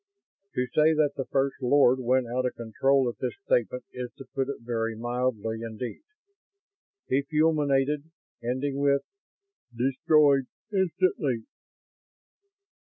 To say that the First Lord went out of control at this statement is to put it very mildly indeed. He fulminated, ending with: "... destroyed instantly!"